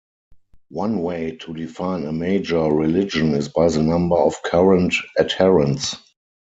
One way to define a major religion is by the number of current adherents.